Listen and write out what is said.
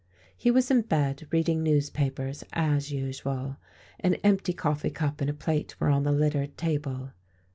He was in bed, reading newspapers, as usual. An empty coffee cup and a plate were on the littered table.